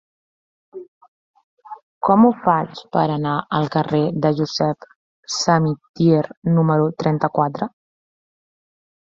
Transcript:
Com ho faig per anar al carrer de Josep Samitier número trenta-quatre?